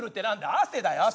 汗だよ汗！